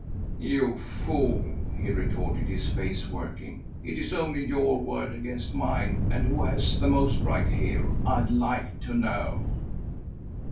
"You fool!" he retorted, his face working. "It's only your word against mine; and who has the most right here, I'd like to know?"